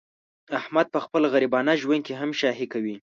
احمد په خپل غریبانه ژوند کې هم شاهي کوي.